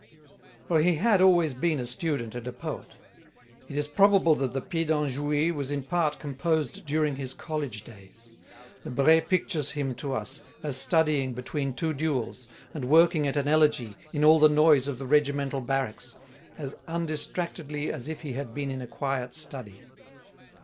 For he had always been a student and a poet. It is probable that the Pédant joué was in part composed during his college days. Lebret pictures him to us as studying between two duels, and working at an Elegy in all the noise of the regimental barracks, "as undistractedly as if he had been in a quiet study."